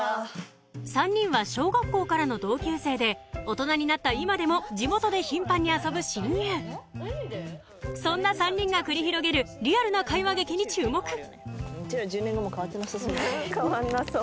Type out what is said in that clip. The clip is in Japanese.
３人は小学校からの同級生で大人になった今でも地元で頻繁に遊ぶ親友そんな３人が繰り広げるリアルな会話劇に注目うちら１０年後も変わってなさそう。